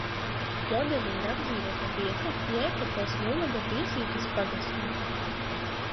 Jodeļi ir apdzīvota vieta Jēkabpils novada Viesītes pagastā.